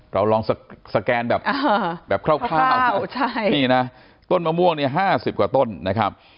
เราลองสแกนแบบคร่าวนี่นะต้นมะม่วงเนี่ย๕๐กว่าต้นนะครับ